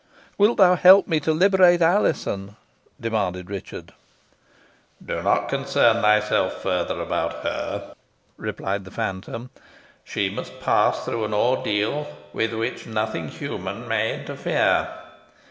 "Wilt thou help me to liberate Alizon?" demanded Richard. "Do not concern thyself further about her," replied the phantom; "she must pass through an ordeal with which nothing human may interfere.